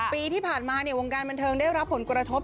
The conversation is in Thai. ปีที่ผ่านมาวงการบันเทิงได้รับผลกระทบ